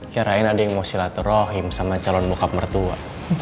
kirain ada yang mau silaturahim sama calon mukab mertua